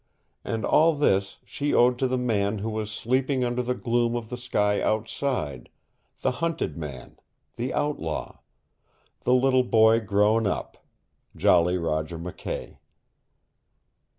And all this she owed to the man who was sleeping under the gloom of the sky outside, the hunted man, the outlaw, "the little boy grown up" Jolly Roger McKay.